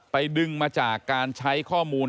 ดึงมาจากการใช้ข้อมูล